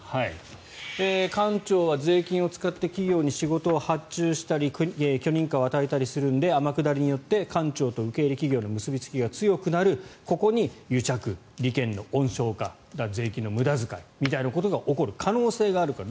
官庁は税金を使って企業に仕事を発注したり許認可を与えたりするので天下りによって官庁と受け入れ企業の結びつきが強くなるここに癒着、利権の温床化税金の無駄遣いみたいなことが起こる可能性があるから。